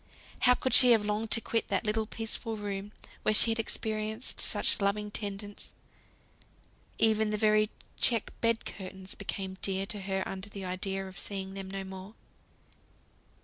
How could she have longed to quit that little peaceful room where she had experienced such loving tendence! Even the very check bed curtains became dear to her under the idea of seeing them no more.